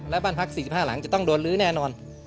และบ้านพัก๔๕หลังจะต้องโดนลื้อแน่นอน